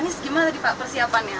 anies gimana tadi pak persiapannya